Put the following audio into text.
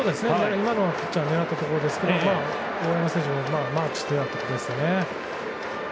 今のはピッチャー、狙ったところですが大山選手もまだちょっと嫌なところですね。